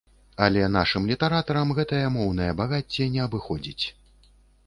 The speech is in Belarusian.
Але нашым літаратарам гэтае моўнае багацце не абыходзіць.